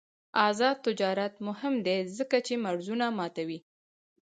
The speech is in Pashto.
آزاد تجارت مهم دی ځکه چې مرزونه ماتوي.